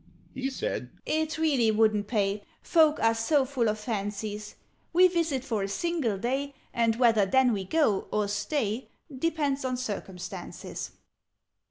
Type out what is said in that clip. He said "It really wouldn't pay Folk are so full of fancies. We visit for a single day, And whether then we go, or stay, Depends on circumstances.